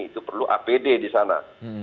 itu perlu apd di sana